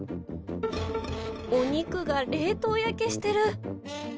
お肉が冷凍焼けしてる。